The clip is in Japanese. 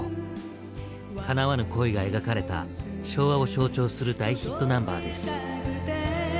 かなわぬ恋が描かれた昭和を象徴する大ヒットナンバーです。